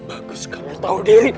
bagus kamu tahu diri